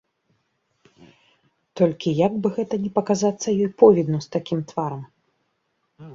Толькі як бы гэта, каб не паказацца ёй повідну з такім тварам?